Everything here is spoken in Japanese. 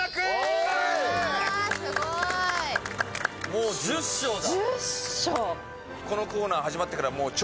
もう１０章だ。